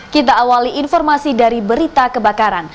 kita awali informasi dari berita kebakaran